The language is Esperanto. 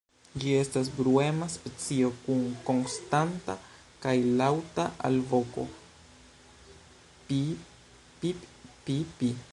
Ĝi estas bruema specio, kun konstanta kaj laŭta alvoko "pii-pip-pii-pii".